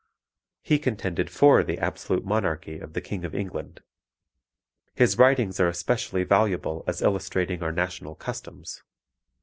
He contended for the absolute monarchy of the King of England. His writings are especially valuable as illustrating our national customs.